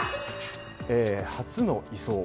初の移送。